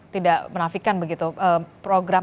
tidak menafikan begitu program